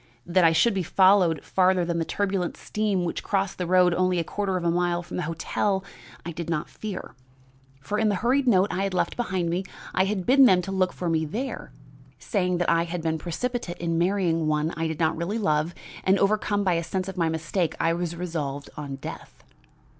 "That I should be followed farther than the turbulent stream which crossed the road only a quarter of a mile from the hotel, I did not fear. For in the hurried note I had left behind me, I had bidden them to look for me there, saying that I had been precipitate in marrying one I did not really love, and, overcome by a sense of my mistake, I was resolved on death.